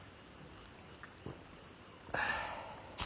ああ。